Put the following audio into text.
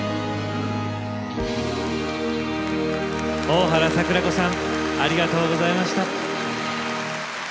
大原櫻子さんありがとうございました。